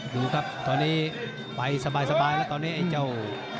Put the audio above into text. ดูครับตอนนี้ไปสบายแล้วตอนนี้ไอ้เจ้า